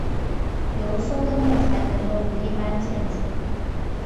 油松的木材可用于一般建筑。